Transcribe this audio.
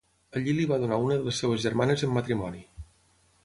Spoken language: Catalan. Allí li va donar una de les seves germanes en matrimoni.